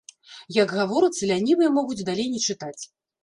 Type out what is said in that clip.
Як гаворыцца, лянівыя могуць далей не чытаць.